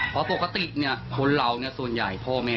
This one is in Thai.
เพราะปกติความใหญ่ความภพคิดเรื่องสะพ้าย